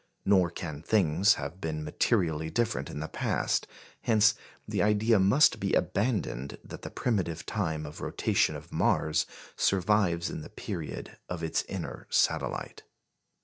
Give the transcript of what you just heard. Nor can things have been materially different in the past; hence the idea must be abandoned that the primitive time of rotation of Mars survives in the period of its inner satellite.